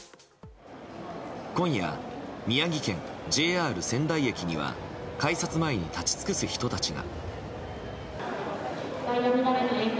今夜、宮城県ＪＲ仙台駅には改札前に立ち尽くす人たちが。